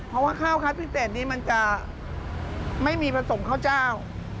เพราะว่าข้าวคัดพิเศษนี้มันจะไม่มีผสมข้าวเจ้า